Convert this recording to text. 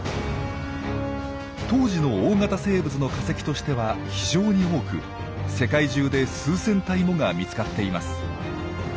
当時の大型生物の化石としては非常に多く世界中で数千体もが見つかっています。